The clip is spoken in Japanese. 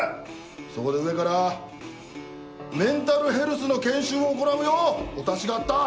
そこで上からメンタルヘルスの研修を行うようお達しがあった。